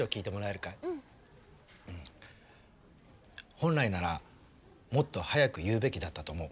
本来ならもっと早く言うべきだったと思う。